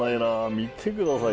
見てください